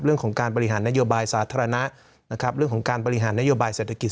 เรื่องของการบริหารนโยบายสาธารณะนะครับเรื่องของการบริหารนโยบายเศรษฐกิจ